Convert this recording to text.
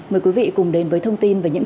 mời quý vị cùng đến với thông tin về những